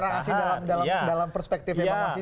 orang asing dalam perspektifnya pak mas hinton tadi